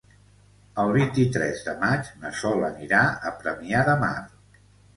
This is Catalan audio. El vint-i-tres de maig na Sol anirà a Premià de Mar.